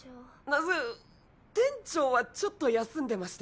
ナズ店長はちょっと休んでまして。